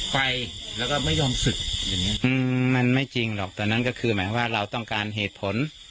ไปแล้วก็ไม่ยอมศึกอย่างนี้มันไม่จริงหรอกตอนนั้นก็คือหมายว่าเราต้องการเหตุผล